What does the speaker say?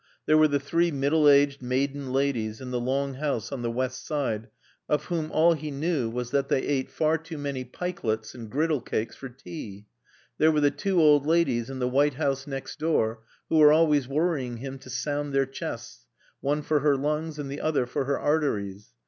There were the three middle aged maiden ladies in the long house on the west side of whom all he knew was that they ate far too many pikelets and griddle cakes for tea. There were the two old ladies in the white house next door who were always worrying him to sound their chests, one for her lungs and the other for her arteries.